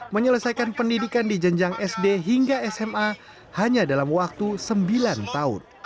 menyelesaikan pendidikan di jenjang sd hingga sma hanya dalam waktu sembilan tahun